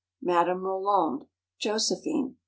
Madame Roland. Josephine.